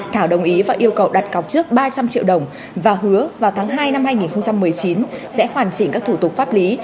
thảo đồng ý và yêu cầu đặt cọc trước ba trăm linh triệu đồng và hứa vào tháng hai năm hai nghìn một mươi chín sẽ hoàn chỉnh các thủ tục pháp lý